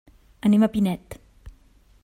Anem a Pinet.